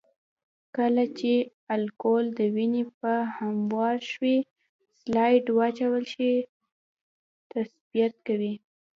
کله چې الکول د وینې په هموار شوي سلایډ واچول شي تثبیت کوي.